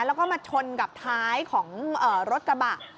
แล้วก็มาชนกับท้ายของรถกระบะ